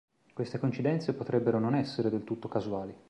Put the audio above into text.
Queste coincidenze potrebbero non essere del tutto casuali.